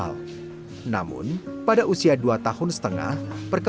akbar ditarik dari sekolah presentasi ayuriti dan akibat reasonsnya terus dream jadi nyiler anxiety